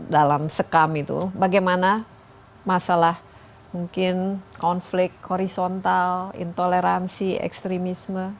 dalam sekam itu bagaimana masalah mungkin konflik horizontal intoleransi ekstremisme